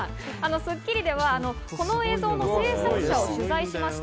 『スッキリ』では、この映像の制作者を取材しました。